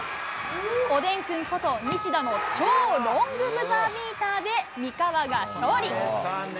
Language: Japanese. おでんくんこと西田の超ロングブザービーターで、三河が勝利。